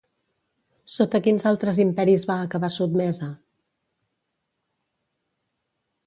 Sota quins altres imperis va acabar sotmesa?